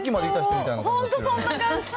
本当、そんな感じ。